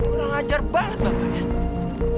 orang ajar banget bapak